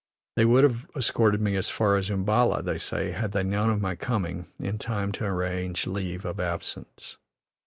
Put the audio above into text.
They would have escorted me as far as Umballa, they say, had they known of my coming in time to arrange leave' of absence.